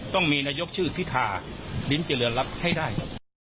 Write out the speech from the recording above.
ต้องมีนายกชื่อพิธาลิ้มเจริญรัฐให้ได้